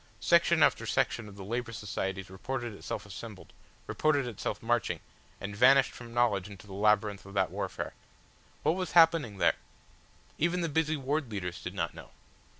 Section after section of the Labour Societies reported itself assembled, reported itself marching, and vanished from knowledge into the labyrinth of that warfare. What was happening there? Even the busy ward leaders did not know.